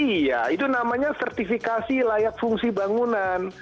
iya itu namanya sertifikasi layak fungsi bangunan